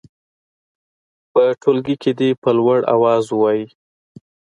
په ټولګي کې دې په لوړ اواز ووايي.